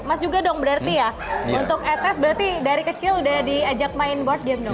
emas juga dong berarti ya untuk etes berarti dari kecil udah diajak main board game dong